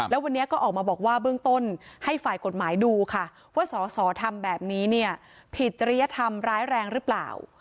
แล้ววันนี้ก็ออกมาบอกว่าเบื้องต้นให้ฝ่ายกฎหมายดูค่ะว่าสอสอทำแบบนี้เนี่ยผิดจริยธรรมร้ายแรงหรือเปล่า